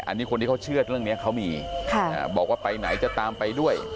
อันนี้คนที่เขาเชื่อเรื่องนี้เขามีบอกว่าไปไหนจะตามไปด้วย